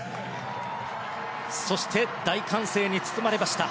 そして、大歓声に包まれました